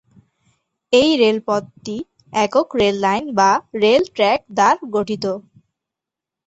এই রেলপথটি একক রেললাইন বা রেল ট্র্যাক দ্বার গঠিত।